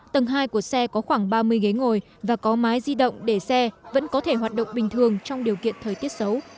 tầng hai của xe có khoảng ba mươi ghế ngồi và có mái di động để xe vẫn có thể hoạt động bình thường trong điều kiện thời tiết xấu